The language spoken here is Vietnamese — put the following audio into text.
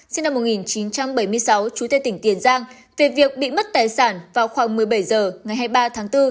sinh năm một nghìn chín trăm bảy mươi sáu chú thê tỉnh tiền giang về việc bị mất tài sản vào khoảng một mươi bảy h ngày hai mươi ba tháng bốn